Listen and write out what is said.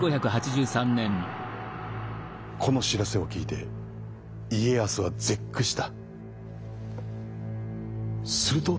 この知らせを聞いて家康は絶句した。